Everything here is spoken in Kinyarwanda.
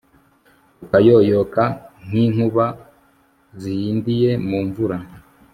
ukayoyoka nk'inkuba zihindiye mu mvura